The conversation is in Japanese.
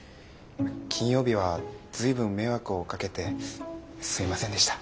金曜日は随分迷惑をかけてすみませんでした。